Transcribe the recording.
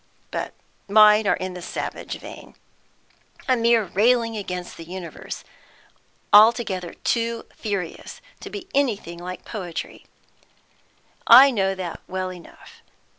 But mine are in the savage vein, a mere railing against the universe, altogether too furious to be anything like poetry; I know that well enough.